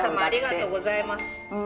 ありがとうございます。